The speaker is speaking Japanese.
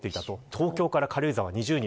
東京から軽井沢で２０人。